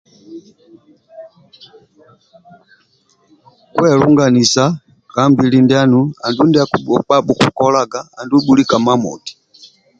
Kwelungisania ka mbili ndianu alibe ndio bhukukolaga andulu bhulike imamoti